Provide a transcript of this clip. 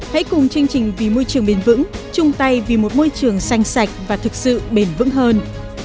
hãy cùng chương trình vì môi trường bền vững chung tay vì một môi trường xanh sạch và thực sự bền vững hơn